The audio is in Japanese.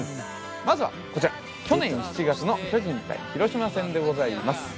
まずはこちら去年７月の巨人対広島戦でございます。